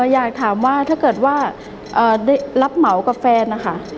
อยากถามว่าถ้าเกิดว่าได้รับเหมากับแฟนนะคะ